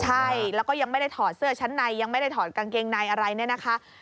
ใช่แล้วก็ยังไม่ได้ถอดเสื้อชั้นในยังไม่ได้ถอดกางเกงในอะไรเนี่ยนะคะ